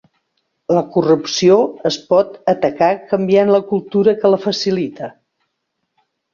La corrupció es pot atacar canviant la cultura que la facilita.